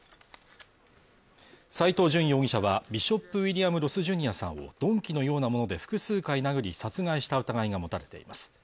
斉藤淳容疑者はビショップ・ウィリアム・ロス・ジュニアさんを鈍器のようなもので複数回殴り殺害した疑いが持たれています。